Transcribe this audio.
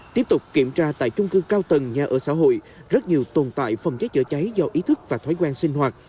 tiếp tục kiểm tra tại chung cư cao tầng nhà ở xã hội rất nhiều tồn tại phòng cháy chữa cháy do ý thức và thói quen sinh hoạt